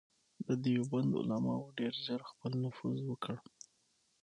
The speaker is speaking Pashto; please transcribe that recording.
د دیوبند علماوو ډېر ژر خپل نفوذ وکړ.